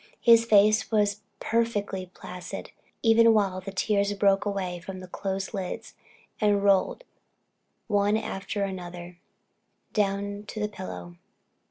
His face was perfectly placid, even while the tears broke away from the closed lids, and rolled, one after another, down to the pillow.